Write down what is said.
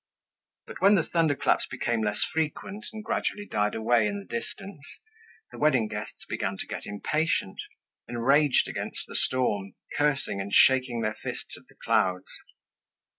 But, when the thunder claps became less frequent and gradually died away in the distance, the wedding guests began to get impatient, enraged against the storm, cursing and shaking their fists at the clouds.